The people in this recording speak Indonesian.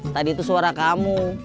tadi itu suara kamu